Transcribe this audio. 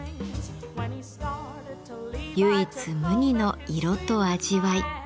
唯一無二の色と味わい。